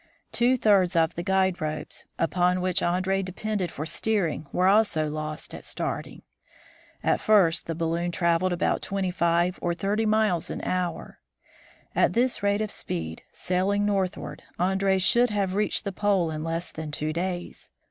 Two thirds of the guide ropes, upon which Andree depended for steering, were also lost at starting. At first the balloon traveled about twenty five or thirty miles an hour. At this rate of speed, sailing northward, Andree should have reached the pole in less than two days.